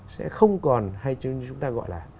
sẽ không còn hay như chúng ta gọi là